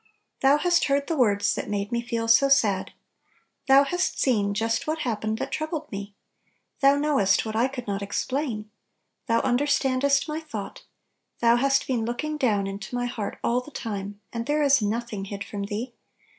Thou hast heard the words that made me feel so sad; Thou hast seen just what happened that troubled me; Thou knowest what I could not explain, " Thou understandest my thought ;" Thou hast been looking down into my heart all the time, and there is nothing hid from Thee!